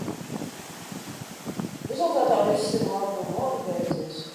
Rezultātā viss ir labi un labi beidzies.